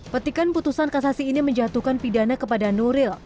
petikan putusan kasasi ini menjatuhkan pidana kepada nuril